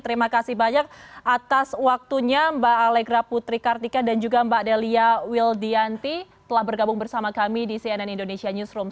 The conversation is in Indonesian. terima kasih banyak atas waktunya mbak alegra putri kartika dan juga mbak delia wildianti telah bergabung bersama kami di cnn indonesia newsroom